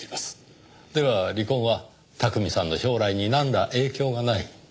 では離婚は巧さんの将来になんら影響がない。